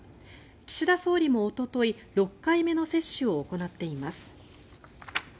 岸田総理もおととい６回目の接種を行っています。